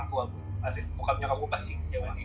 asli buka nyokap gue pasti kecewa